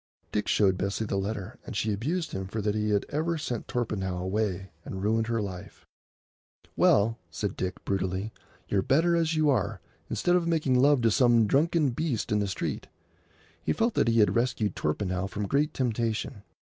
Dick showed Bessie the letter, and she abused him for that he had ever sent Torpenhow away and ruined her life. "Well," said Dick, brutally, "you're better as you are, instead of making love to some drunken beast in the street." He felt that he had rescued Torpenhow from great temptation.